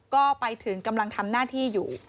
ก็ไปถึงกำลังทำหน้าที่อยู่